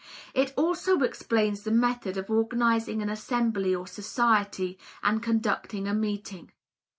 It also explains the method of organizing an assembly or society, and conducting a meeting.